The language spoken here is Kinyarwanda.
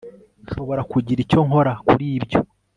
Nshobora kugira icyo nkora kuri ibyo